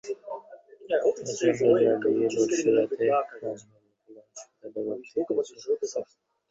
প্রচণ্ড জ্বর নিয়ে পরশু রাতে রাজধানীর অ্যাপোলো হাসপাতালে ভর্তি হয়েছেন সাকিব।